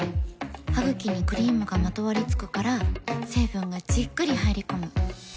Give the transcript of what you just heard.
ハグキにクリームがまとわりつくから成分がじっくり入り込む。